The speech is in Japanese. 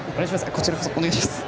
こちらこそお願いします。